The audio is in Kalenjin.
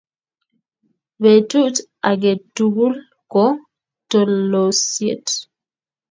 Betut aketukul ko talosiet